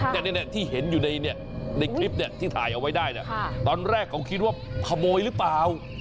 แต่นี่ที่เห็นในคลิปที่ถ่ายเอาไว้ได้ตอนแรกเขาคิดว่าขโมยรึเปล่า